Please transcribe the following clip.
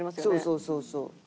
そうそうそうそう。